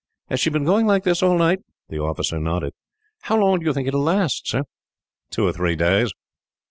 "Has she been going like this all night?" The officer nodded. "How long do you think it will last, sir?" "Two or three days."